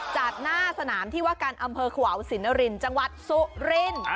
จากหน้าสนามที่ว่าการอำเภอขวาวสินนรินจังหวัดสุรินทร์